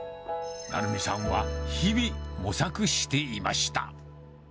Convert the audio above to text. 成美さんは、日々模索していました。